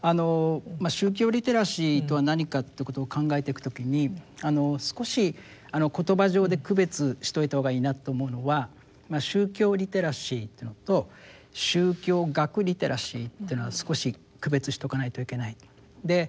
宗教リテラシーとは何かっていうことを考えていく時に少し言葉上で区別しといた方がいいなって思うのは宗教リテラシーっていうのと宗教学リテラシーっていうのは少し区別しとかないといけない。